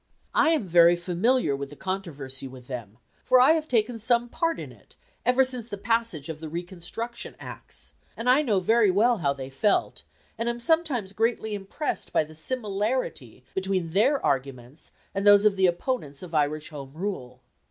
I am very familiar with the controversy with them, for I have taken some part in it ever since the passage of the reconstruction Acts, and I know very well how they felt, and am sometimes greatly impressed by the similarity between their arguments and those of the opponents of Irish Home Rule.